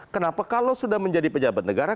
kenapa kalau sudah menjadi pejabat negara